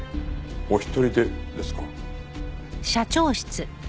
お一人でですか。